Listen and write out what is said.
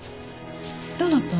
どなた？